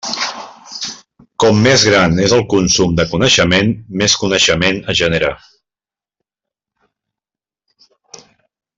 Com més gran és el consum de coneixement, més coneixement es genera.